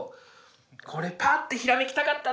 これパッてひらめきたかったな。